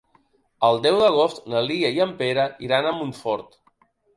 El deu d'agost na Lia i en Pere iran a Montfort.